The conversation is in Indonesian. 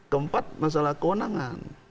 keempat masalah kewenangan